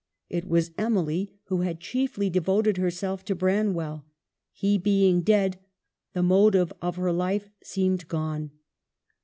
It was Emily who had chiefly devoted herself to Branwell. He being dead, the motive of her life seemed gone.